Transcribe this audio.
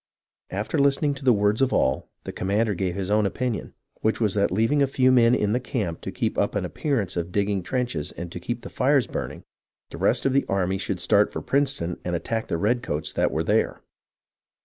After listening to the words of all, the commander gave his own opinion, which was that leaving a few men in the camp to keep up an appearance of digging trenches and to keep the fires burning, the rest of the army should start for Princeton and attack the redcoats that were there.